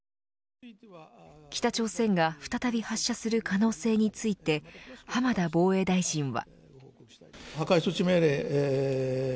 北朝鮮が再び発射する可能性について浜田防衛大臣は。